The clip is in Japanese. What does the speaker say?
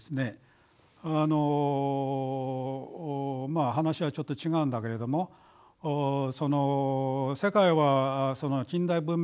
まあ話はちょっと違うんだけれどもその世界は近代文明諸国